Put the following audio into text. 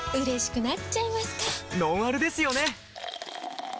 ノンアルですよね！